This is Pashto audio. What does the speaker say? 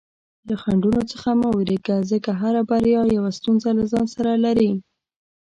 له خنډونو څخه مه ویریږه، ځکه هره بریا یوه ستونزه له ځان سره لري.